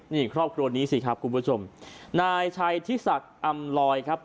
นี่ครอบครัวนี้สิครับคุณผู้ชมนายชัยทิศักดิ์อำลอยครับ